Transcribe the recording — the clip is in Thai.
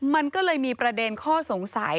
มันก็เลยมีประเด็นข้อสงสัย